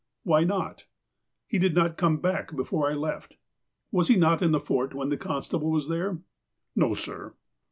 "Why not, sir?" " He did not come back before I left." "Was he not in the Fort when the constable was there?" "No, sir."